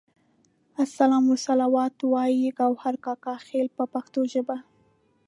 السلام والصلوات وایي ګوهر کاکا خیل په پښتو ژبه.